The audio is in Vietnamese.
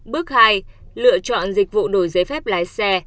bước hai lựa chọn dịch vụ đổi giấy phép lái xe